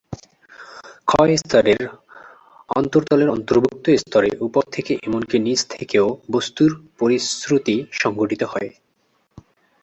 ‘খ’ স্তরের অন্তর্তলের অন্তর্ভুক্ত স্তরে উপর থেকে এমনকি নিচ থেকেও বস্ত্তর পরিস্রুতি সংঘটিত হয়।